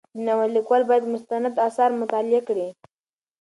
د ناول لیکوال باید مستند اثار مطالعه کړي.